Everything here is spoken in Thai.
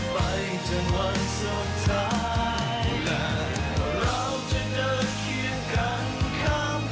เพื่อนชะแธะกังวล